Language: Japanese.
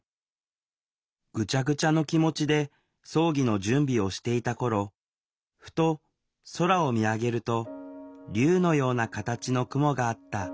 ぐちゃぐちゃの気持ちで葬儀の準備をしていた頃ふと空を見上げると竜のような形の雲があった。